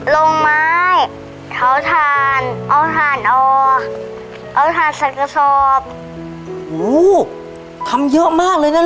แล้วอะไรอีก